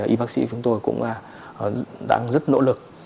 y bác sĩ chúng tôi cũng đang rất nỗ lực